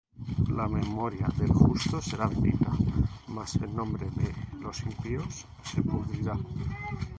La memoria del justo será bendita: Mas el nombre de los impíos se pudrirá.